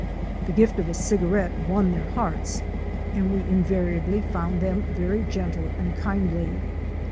The gift of a cigarette won their hearts and we invariably found them very gentle and kindly.